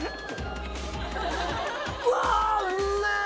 うわうめぇ！